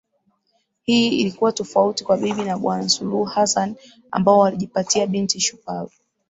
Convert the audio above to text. Hii ilikuwa tofauti kwa bibi na bwana Suluhu Hassan ambao walijipatia binti shupavu